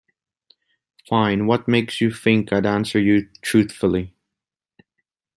Fine, what makes you think I'd answer you truthfully?